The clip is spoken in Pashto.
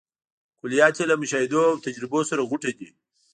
کلیات یې له مشاهدو او تجربو سره غوټه دي.